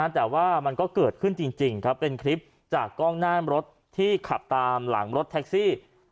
แต่ว่ามันก็เกิดขึ้นจริงครับเป็นคลิปจากกล้องหน้ารถที่ขับตามหลังรถแท็กซี่